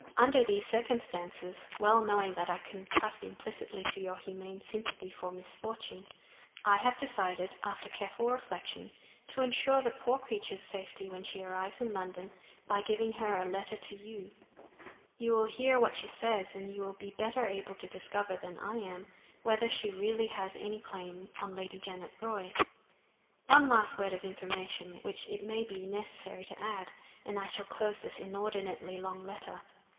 Under these circumstances, well knowing that I can trust implicitly to your humane sympathy for misfortune, I have decided (after careful reflection) to insure the poor creature's safety when she arrives in London by giving her a letter to you. You will hear what she says, and you will be better able to discover than I am whether she really has any claim on Lady Janet Roy. One last word of information, which it may be necessary to add, and I shall close this inordinately long letter.